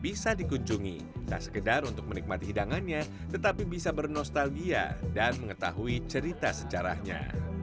bisa dikunjungi tak sekedar untuk menikmati hidangannya tetapi bisa bernostalgia dan mengetahui cerita sejarahnya